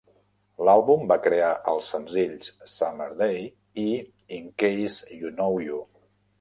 L'àlbum va crear els senzills "Summer Day" i "In Case You Know You".